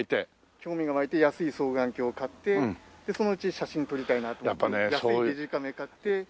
興味が湧いて安い双眼鏡を買ってでそのうち写真撮りたいなと思って安いデジカメ買って。